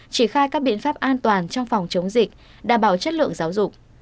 triển khai các biện pháp an toàn trong phòng chống dịch đảm bảo chất lượng giáo dục